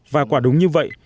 và quả đúng như vậy